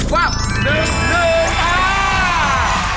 ว่า๑อ่า